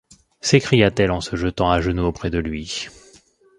s’écria-t-elle en se jetant à genoux auprès de lui.